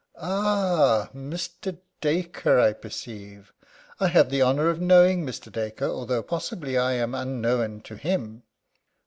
Ah Mr. Dacre, I perceive! I have the honour of knowing Mr. Dacre, although, possibly, I am unknown to him."